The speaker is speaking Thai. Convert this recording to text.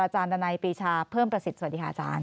อาจารย์ดันไนย์ปีชาเพิ่มประสิทธิ์สวัสดีค่ะอาจารย์